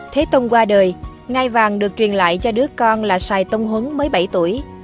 thế tông qua đời ngai vàng được truyền lại cho đứa con là sài tông huấn mới bảy tuổi